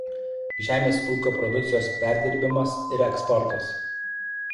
Žemės ūkio produkcijos perdirbimas ir eksportas.